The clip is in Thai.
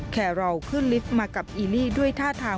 แครอลขึ้นลิฟต์มากับอีลี่ด้วยท่าทาง